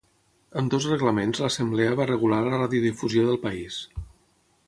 Amb dos reglaments l'Assemblea va regular la radiodifusió del país.